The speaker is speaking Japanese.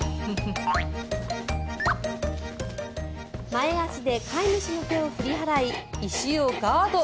前足で飼い主の手を振り払い石をガード。